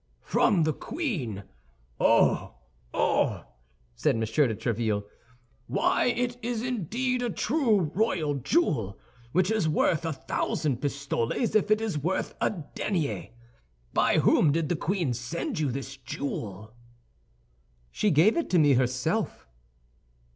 "From the queen! Oh, oh!" said M. de Tréville. "Why, it is indeed a true royal jewel, which is worth a thousand pistoles if it is worth a denier. By whom did the queen send you this jewel?" "She gave it to me herself."